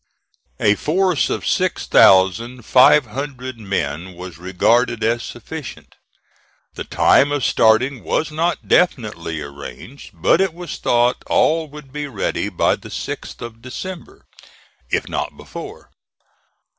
A force of six thousand five hundred men was regarded as sufficient. The time of starting was not definitely arranged, but it was thought all would be ready by the 6th of December, if not before.